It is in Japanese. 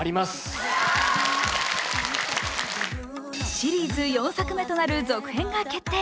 シリーズ４作目となる続編が決定。